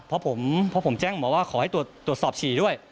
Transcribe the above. เพราะผมแจ้งหมอว่าขอให้ตรวจสอบฉี่ด้วย